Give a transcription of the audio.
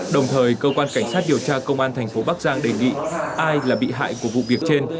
đồng thời cơ quan cảnh sát điều tra công an thành phố bắc giang đề nghị ai là bị hại của vụ việc trên